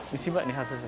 bisa mbak hasilnya